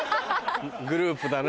グループだな。